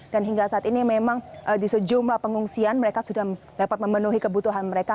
dan hingga saat ini memang di sejumlah pengungsian mereka sudah dapat memenuhi kebutuhan mereka